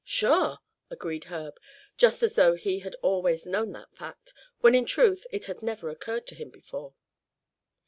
"Sure!" agreed Herb, just as though he had always known that fact, when in truth it had never occurred to him before.